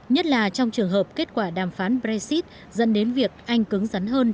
nhất là trong trường hợp kết quả đàm phán brexit dẫn đến việc anh cứng rắn hơn